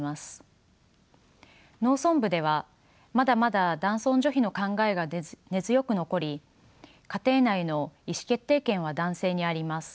農村部ではまだまだ男尊女卑の考えが根強く残り家庭内の意思決定権は男性にあります。